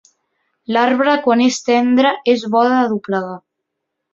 L'arbre quan és tendre és bo de doblegar.